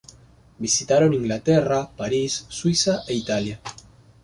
Visitaron Inglaterra, Paris, Suiza e Italia.